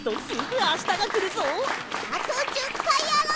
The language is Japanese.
あと１０かいやろう！